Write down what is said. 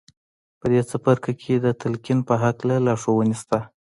په دې څپرکو کې د تلقین په هکله لارښوونې شته